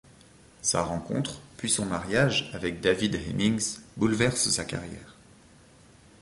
Sa rencontre, puis son mariage avec David Hemmings bouleversent sa carrière.